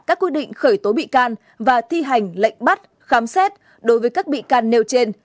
các quy định khởi tố bị can và thi hành lệnh bắt khám xét đối với các bị can nêu trên